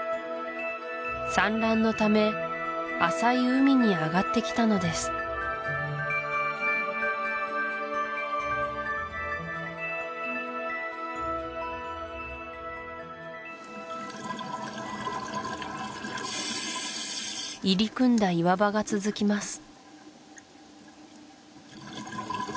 産卵のため浅い海に上がってきたのです入り組んだ岩場が続きます